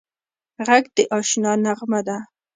غږ د اشنا نغمه ده